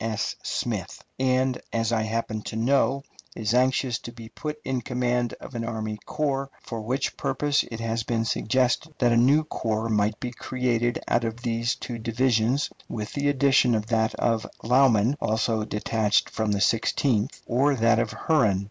S. Smith and, as I happen to know, is anxious to be put in command of an army corps, for which purpose it has been suggested that a new corps might be created out of these two divisions, with the addition of that of Lauman, also detached from the Sixteenth, or that of Herron.